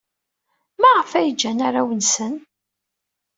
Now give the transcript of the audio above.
Maɣef ay ǧǧan arraw-nsen?